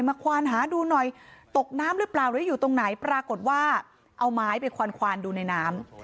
ควานหาดูหน่อยตกน้ำหรือเปล่าหรืออยู่ตรงไหนปรากฏว่าเอาไม้ไปควานควานดูในน้ำ